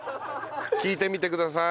聴いてみてください。